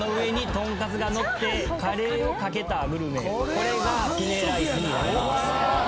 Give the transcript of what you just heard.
これがピネライスになります。